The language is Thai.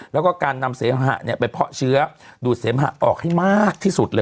แล้วก็การนำเสหะไปเพาะเชื้อดูดเสมหะออกให้มากที่สุดเลย